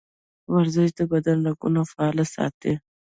ورزش د بدن رګونه فعال ساتي.